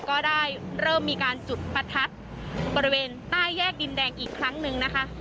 ก็ได้เริ่มมีการจุดประทัดบริเวณใต้แยกดินแดงอีกครั้งหนึ่งนะคะ